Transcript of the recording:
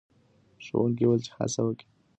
ښوونکی وویل چې هڅه وکړئ.